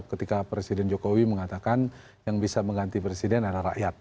ketika presiden jokowi mengatakan yang bisa mengganti presiden adalah rakyat